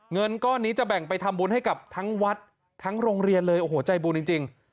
เงินก้อนนี้จะแบ่งไปทำบุญให้กับทั้งวัดทั้งโรงเรียนเลยโอ้โหใจบุญจริง